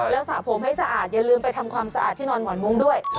แล้วสระผมให้สะอาดอย่าลืมไปทำความสะอาดที่นอนหมอนมุ้งด้วย